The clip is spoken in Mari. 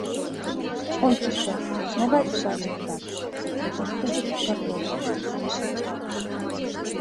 — Ончыкто, могай кагазым лудат? — йодеш угыч Горлов.